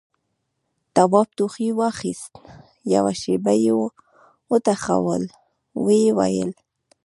تواب ټوخي واخيست، يوه شېبه يې وټوخل، ويې ويل: